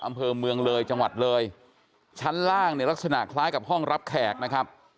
อำเภอเมืองเลยจังหวัดเลยชั้นล่างเนี่ยลักษณะคล้ายกับห้องรับแขกนะครับ